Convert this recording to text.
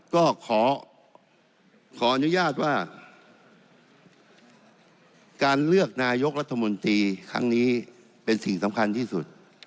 ก็ขอขออนุญาตว่าการเลือกนายกรัฐมนตรีครั้งนี้เป็นสิ่งสำคัญที่สุด